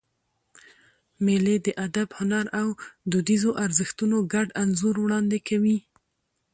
مېلې د ادب، هنر او دودیزو ارزښتونو ګډ انځور وړاندي کوي.